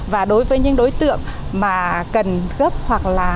và đối với những đối tượng mà cần gấp hoặc là